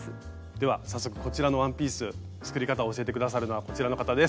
では早速こちらのワンピース作り方を教えて下さるのはこちらの方です。